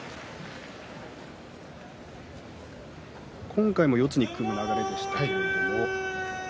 今回も四つに組む流れでしたね。